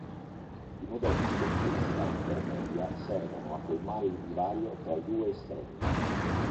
I modelli di complessità intermedia servono a colmare il divario tra i due estremi.